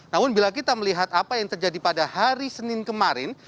namun bila kita melihat apa yang terjadi pada hari senin kemarin